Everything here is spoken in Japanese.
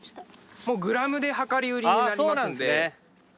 グラムで量り売りになりますんで。